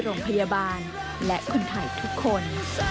โรงพยาบาลและคนไทยทุกคน